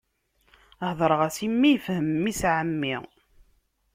Hedṛeɣ-as i mmi, ifhem mmi-s n ɛemmi.